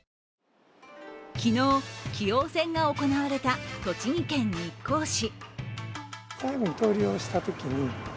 昨日、棋王戦が行われた栃木県日光市。